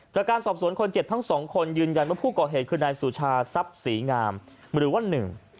จากการสอบสวนคนเจ็บทั้งสองคนยืนยันว่าผู้ก่อเหตุคือนายสุชาทรัพย์ศรีงามหรือว่าหนึ่ง